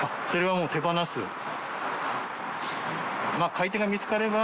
買い手が見つかれば。